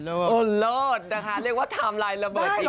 โอ้เลิศนะคะเรียกว่าไทม์ไลน์ระเบิดอีกแน่นอน